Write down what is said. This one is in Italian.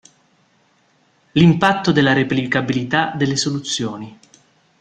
L'impatto della replicabilità delle soluzioni.